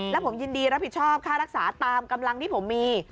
และผมยินดีรับผิดชอบค่ารักษาตามกำลังที่ผมมี